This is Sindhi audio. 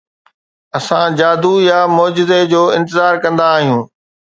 اسان جادو يا معجزو جو انتظار ڪندا آهيون.